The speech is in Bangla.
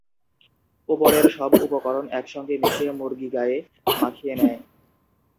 উপরের সব উপকরণ এক সঙ্গে মিশিয়ে মুরগী গায়ে মাখিয়ে নেয়।